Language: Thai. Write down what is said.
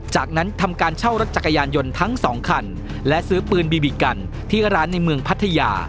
จากนั้นทำการเช่ารถจักรยานยนต์ทั้งสองคันและซื้อปืนบีบีกันที่ร้านในเมืองพัทยา